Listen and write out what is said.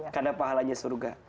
karena pahalanya surga